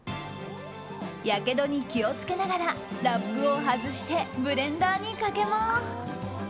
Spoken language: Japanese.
やけどに気を付けながらラップを外してブレンダーにかけます。